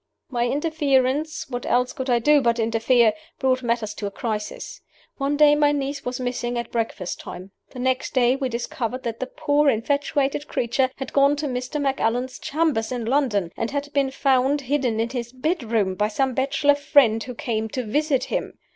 "My interference what else could I do but interfere? brought matters to a crisis. One day my niece was missing at breakfast time. The next day we discovered that the poor infatuated creature had gone to Mr. Macallan's chambers in London, and had been found hidden in his bedroom by some bachelor friends who came to visit him.